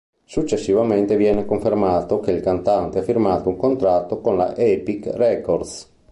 Successivamente viene confermato che il cantante ha firmato un contratto con la Epic Records.